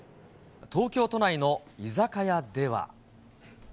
東京都内の居酒屋では。